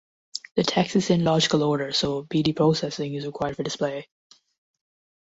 The text is in logical order, so bidi processing is required for display.